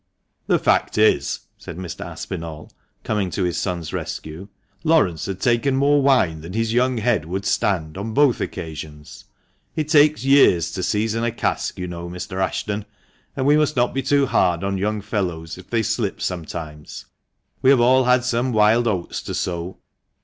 "The fact is," said Mr. Aspinall, coming to his son's rescue, "Laurence had taken more wine than his young head would stand on both occasions. It takes years to season a cask, you know, Mr. Ashton, and we must not be too hard on young fellows, if they slip sometimes. We have all had some wild oats to sow."